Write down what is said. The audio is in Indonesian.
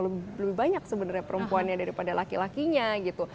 lebih banyak sebenarnya perempuannya daripada laki lakinya gitu